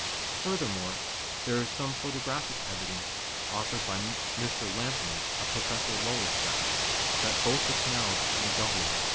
Furthermore, there is some photo graphic evidence offered by Mr. Lampland, of Professor Lowell's staff, that both the canals and their doubling are real.